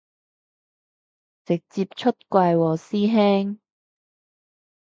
直接出櫃喎師兄